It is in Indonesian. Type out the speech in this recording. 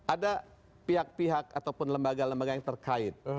ada pihak pihak ataupun lembaga lembaga yang terkait